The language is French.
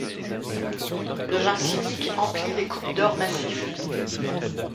Le vin cynique emplit les coupes d’or massif.